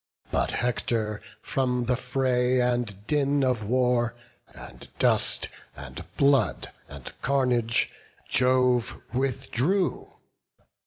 But Hector, from the fray and din of war, And dust, and blood, and carnage, Jove withdrew.